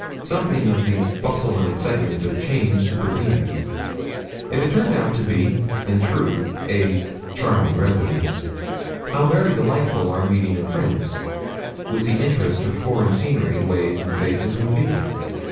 Something of the bustle and excitement of change supervened. If it turned out to be, in truth, a 'charming residence,' how very delightful our meeting in France, with the interest of foreign scenery, ways, and faces, would be!